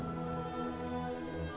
những cái kỹ năng